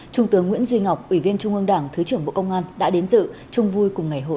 trung tướng nguyễn duy ngọc ủy viên trung ương đảng thứ trưởng bộ công an đã đến dự chung vui cùng ngày hội